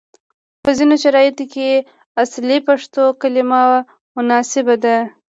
په ځینو شرایطو کې اصلي پښتو کلمه مناسبه ده،